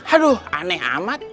aduh aneh amat